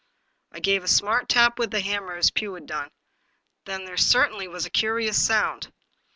I gave a smart tap with the hammer, as Pugh had done. Then there certainly was a curious sound.